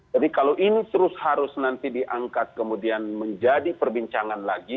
jadi kalau ini terus harus nanti diangkat kemudian menjadi perbincangan lagi